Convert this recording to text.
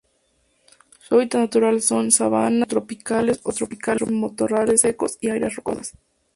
Su hábitat natural son: sabanas, subtropicales o tropicales matorrales secos y áreas rocosas.